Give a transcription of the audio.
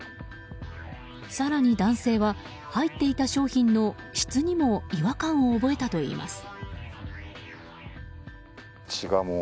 更に男性は、入っていた商品の質にも違和感を覚えたといいます。